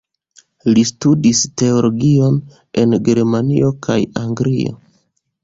Li studis teologion en Germanio kaj Anglio.